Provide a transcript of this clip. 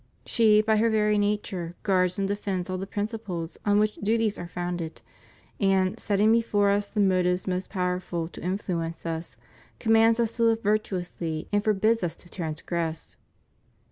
She, by her very nature, guards and defends all the prin ciples on which duties are founded, and, setting before us the motives most powerful to influence us, commands us to live virtuously and forbids us to transgress.